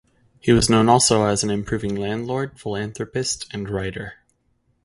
He was known also as an improving landlord, philanthropist and writer.